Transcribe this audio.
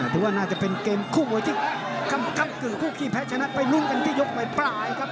ถือว่าน่าจะเป็นเกมคู่มวยที่ค่ำกึ่งคู่ขี้แพ้ชนะไปลุ้นกันที่ยกปลายครับ